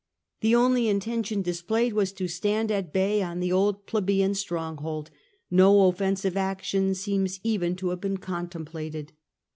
The only intention displayed was to stand at bay on the old plebeian stronghold ; no offensive action seems even to have been contemplated.